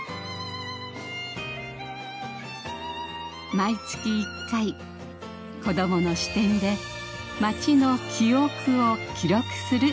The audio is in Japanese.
毎月１回子どもの視点で町の記憶を記録する『名山新聞』。